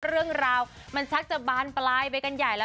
เรื่องราวมันชักจะบานปลายไปกันใหญ่แล้ว